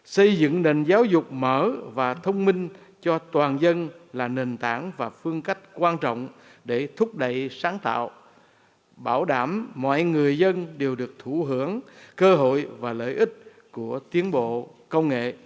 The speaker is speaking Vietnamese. xây dựng nền giáo dục mở và thông minh cho toàn dân là nền tảng và phương cách quan trọng để thúc đẩy sáng tạo bảo đảm mọi người dân đều được thủ hưởng cơ hội và lợi ích của tiến bộ công nghệ